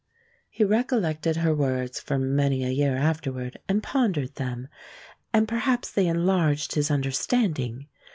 He recollected her words for many a year afterward and pondered them, and perhaps they enlarged his understanding.